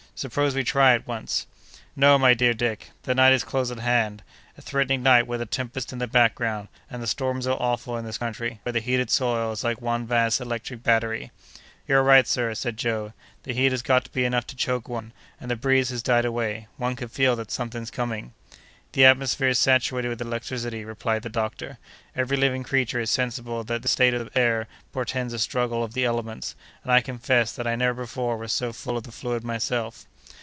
Suppose we try it once!" "No, my dear Dick; the night is close at hand—a threatening night with a tempest in the background—and the storms are awful in this country, where the heated soil is like one vast electric battery." "You are right, sir," said Joe, "the heat has got to be enough to choke one, and the breeze has died away. One can feel that something's coming." "The atmosphere is saturated with electricity," replied the doctor; "every living creature is sensible that this state of the air portends a struggle of the elements, and I confess that I never before was so full of the fluid myself."